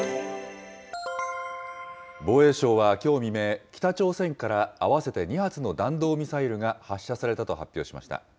防衛省はきょう未明、北朝鮮から合わせて２発の弾道ミサイルが発射されたと発表しました。